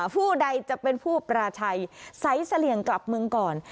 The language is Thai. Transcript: ผู้ใดจะเป็นผู้ปราชัยใสเสลี่ยงกลับเมืองก่อน